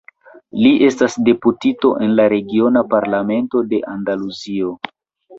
Li estas deputito en la regiona Parlamento de Andaluzio.